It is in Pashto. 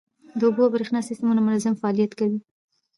د اوبو او بریښنا سیستمونه منظم فعالیت کوي.